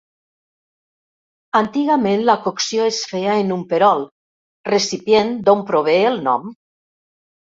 Antigament la cocció es feia en un perol, recipient d'on prové el nom.